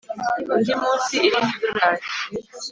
undi munsi, irindi dorari